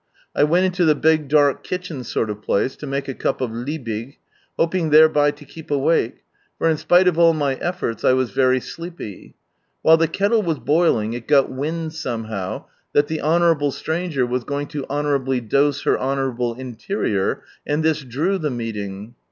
I went into the big dark kitchen sort of place, to make a cup of " Liebig," hoping thereby to keep awake, for in spite of all my efforts I was very sleepy. While the kettle was boiling, it got wind somehow, that the honourable stranger was going to honourably dose her honourable interior, and this " drew " the meeting